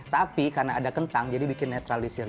tapi karena ada kentang jadi membuat neutralisir